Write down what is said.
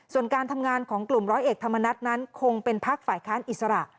ส่วนการทำงานของกลุ่มร้อยเอกธรรมนัฐนั้นคงเป็นพักฝ่ายค้านอิสระ